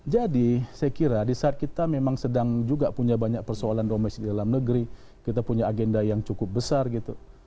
jadi saya kira di saat kita memang sedang juga punya banyak persoalan domes di dalam negeri kita punya agenda yang cukup besar gitu